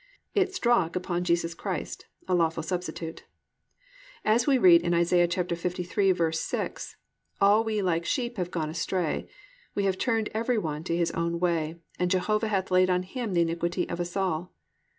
It struck upon Jesus Christ, a lawful substitute. As we read in Isa. 53:6, "All we like sheep have gone astray; we have turned every one to his own way; and Jehovah hath laid on Him the iniquity of us all."